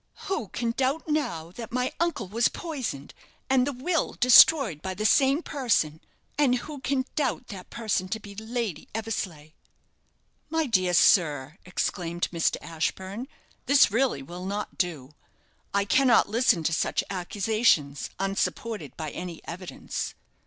"Who can doubt now that my uncle was poisoned, and the will destroyed by the same person? and who can doubt that person to be Lady Eversleigh?" "My dear sir," exclaimed Mr. Ashburne, "this really will not do. I cannot listen to such accusations, unsupported by any evidence."